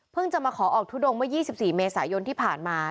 เพิ่งจะมาขอออกทุดงว่า๒๔เมษายนที่ผ่านมา